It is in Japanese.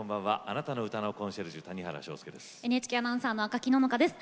あなたの歌のコンシェルジュ谷原章介です。